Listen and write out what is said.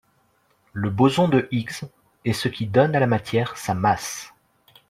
Le boson de Higgs est ce qui donne à la matière, sa masse.